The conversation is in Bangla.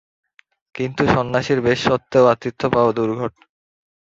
কিন্তু সন্ন্যাসীর বেশ সত্ত্বেও আতিথ্য পাওয়া দুর্ঘট।